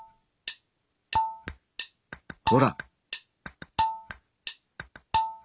ほら！